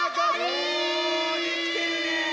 おおできてるね！